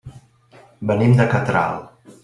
Venim de Catral.